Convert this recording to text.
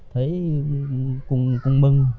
thấy cũng mừng